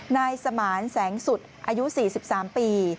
นายสมานแสงสุดอายุ๔๓ปี